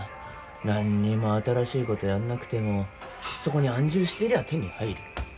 何にも新しいことやんなくてもそこに安住してりゃあ手に入る。